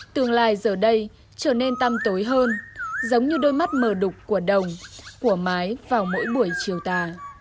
tương lai giờ đây trở nên tăm tối hơn giống như đôi mắt mờ đục của đồng của mái vào mỗi buổi chiều tà